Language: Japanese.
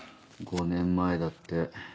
５年前だって。